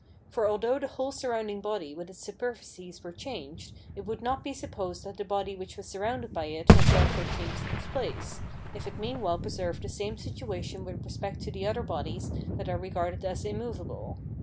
For although the whole surrounding body with its superficies were changed, it would not be supposed that the body which was surrounded by it had therefore changed its place, if it meanwhile preserved the same situation with respect to the other bodies that are regarded as immovable.